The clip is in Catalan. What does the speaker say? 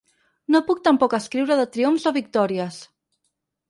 No puc tampoc escriure de triomfs o victòries.